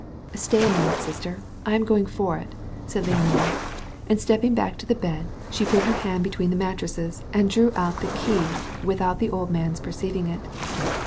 "Stay a moment, sister; I am going for it," said Leonora; and stepping back to the bed, she put her hand between the mattresses, and drew out the key without the old man's perceiving it.